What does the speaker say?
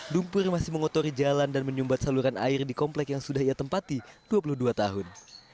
lumpur masih mengotori jalan dan menyumbat saluran air di komplek yang sudah ia tempati dua puluh dua tahun